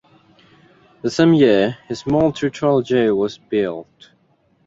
That same year, a small Territorial Jail was built.